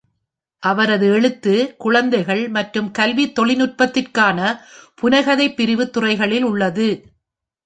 அவரது எழுத்து குழந்தைகள் மற்றும் கல்வி தொழில்நுட்பத்திற்கான புனைகதை பிரிவு துறைகளில் உள்ளது.